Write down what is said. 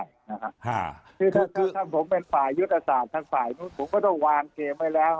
คือถ้าผมเป็นฝ่ายยุทธศาสตร์ทางฝ่ายนู้นผมก็ต้องวางเกมไว้แล้ว